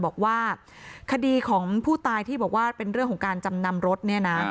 บอกว่าคดีของผู้ตายที่บอกว่าเป็นเรื่องของการจำนำรถเนี่ยนะ